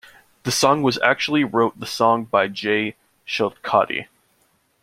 The song was actually wrote the song by Jay Chilcote.